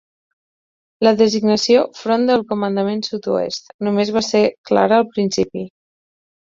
La designació "front del comandament sud-oest" només va ser clara al principi.